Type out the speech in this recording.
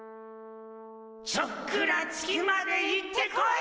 ちょっくら月まで行ってこい！